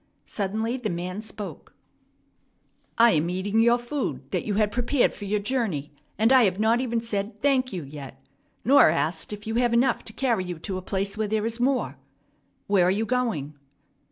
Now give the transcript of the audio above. Suddenly the man spoke. "I am eating your food that you had prepared for your journey, and I have not even said, 'Thank you' yet, nor asked if you have enough to carry you to a place where there is more. Where are you going?"